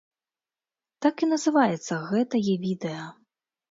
Так і называецца гэтае відэа.